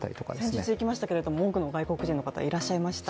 先日行きましたけれども、多くの外国人の方、いらっしゃいました。